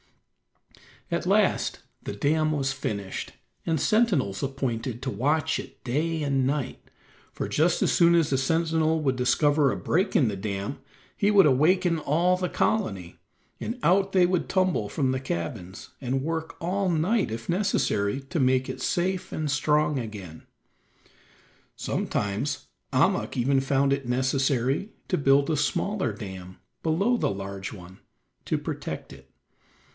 At last the dam was finished and sentinels appointed to watch it day and night, for just as soon as a sentinel would discover a break in the dam he would awaken all the colony, and out they would tumble from the cabins, and work all night if necessary to make it safe and strong again. Sometimes Ahmuk even found it necessary to build a smaller dam below the large one to protect it.